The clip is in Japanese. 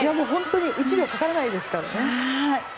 １秒かからないですからね。